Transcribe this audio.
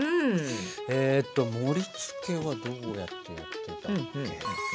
えっと盛りつけはどうやってやってたっけ。